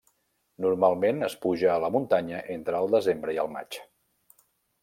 Normalment es puja a la muntanya entre el desembre i el maig.